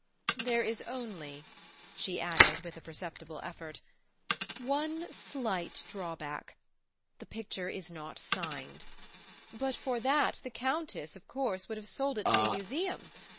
"There is only," she added with a perceptible effort, "one slight drawback: the picture is not signed. But for that the Countess, of course, would have sold it to a museum.